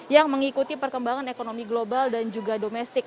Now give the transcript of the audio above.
yang mengikuti perkembangan ekonomi global dan juga domestik